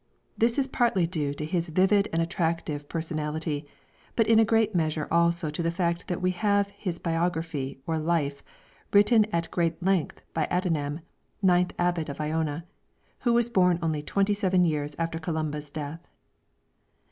This is partly due to his vivid and attractive personality, but in a great measure also to the fact that we have his Biography or Life written at great length by Adamnan, ninth abbot of Iona, who was born only twenty seven years after Columba's death.